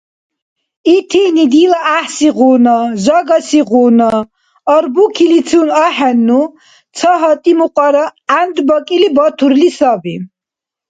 Итини дила гӀяхӀсигъуна, жагасигъуна арбукилицун ахӀенну, ца гьатӀи мукьара гӀяндбакӀили батурли саби.